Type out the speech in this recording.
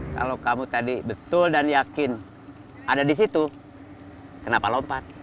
kalau kamu tadi betul dan yakin ada di situ kenapa lompat